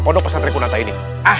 pondok pesantren kunata ini